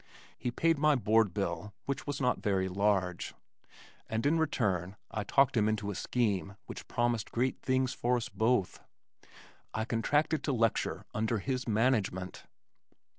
He paid my board bill (which was not very large) and in return I talked him into a scheme which promised great things for us both I contracted to lecture under his management!